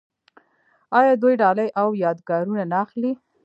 آیا دوی ډالۍ او یادګارونه نه اخلي؟